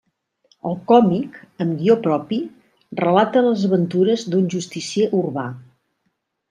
El còmic, amb guió propi, relata les aventures d'un justicier urbà.